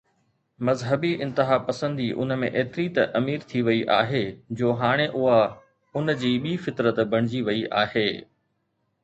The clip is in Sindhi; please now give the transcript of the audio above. مذهبي انتها پسندي ان ۾ ايتري ته امير ٿي وئي آهي جو هاڻي اها ان جي ٻي فطرت بڻجي وئي آهي.